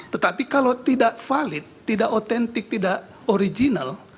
tetapi kalau tidak valid tidak otentik tidak original